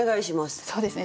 そうですね